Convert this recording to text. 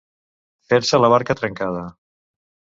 Fer-se la barca trencada.